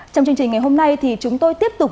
trong chương trình ngày hôm nay thì chúng tôi tiếp tục